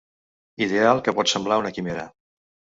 Ideal que pot semblar una quimera.